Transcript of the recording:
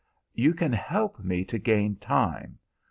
"'You can help me to gain time.